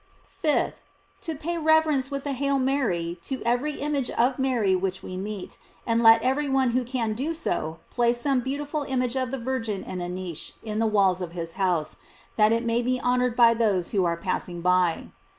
5th. To pay rev erence \vith a "Hail Mary" to every image of Mary which we meet, and let every one who can do so, place some beautiful image of the Virgin in a niche in the walls of his house, that it majf * Loc. cit. GLORIES OF MART. 649 be honored by those who are passing by.